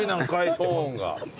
トーンが。